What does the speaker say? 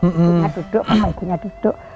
ibu duduk pembahagunya duduk